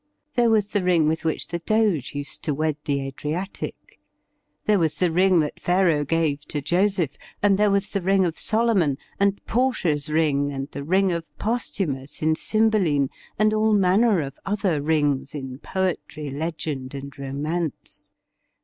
There was the ring with which the Doge used to wed the Adriatic. There was the ring that Pharaoh gave to Joseph, and there was the ring of Solomon, and Portia's ring, and the ring of Posthumus in ' Cymbeline,' and all manner of other rings in poetry, legend, and romance.